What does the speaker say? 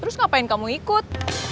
terus ngapain kamu ikut